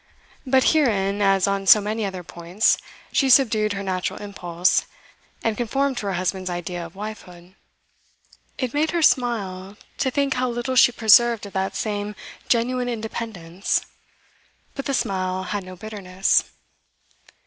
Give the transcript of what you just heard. But herein, as on so many other points, she subdued her natural impulse, and conformed to her husband's idea of wifehood. It made her smile to think how little she preserved of that same 'genuine independence;' but the smile had no bitterness.